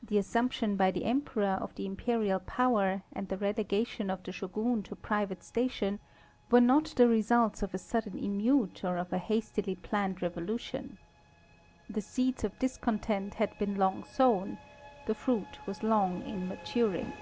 The assumption by the Emperor of the imperial power and the relegation of the Shogun to private station were not the results of a sudden emeute or of a hastily planned revolution. The seeds of discontent had been long sown—the fruit was long in maturing.